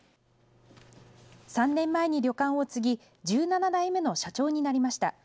３年前に旅館を継ぎ、１７代目の社長になりました。